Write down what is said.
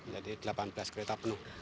jadi delapan belas kereta penuh